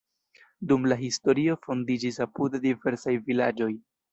Dum la historio fondiĝis apude diversaj vilaĝoj.